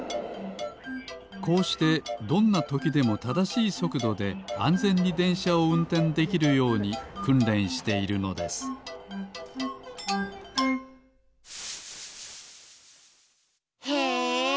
こうしてどんなときでもただしいそくどであんぜんにでんしゃをうんてんできるようにくんれんしているのですへえ！